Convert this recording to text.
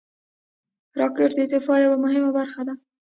راکټ د دفاع یوه مهمه برخه ده